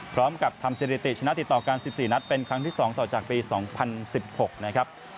พร้อมกับทำสถิติชนะติดต่อกัน๑๔นัดเป็นครั้งที่๒ต่อจากปี๒๐๑๖นะครับ